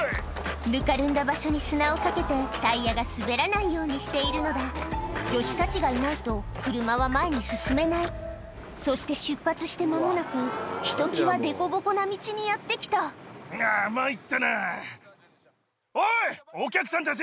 ぬかるんだ場所に砂をかけてタイヤが滑らないようにしているのだ助手たちがいないと車は前に進めないそして出発して間もなくひときわでこぼこな道にやって来たおい！